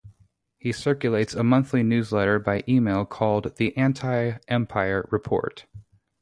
He circulates a monthly newsletter by email called "The Anti-Empire Report".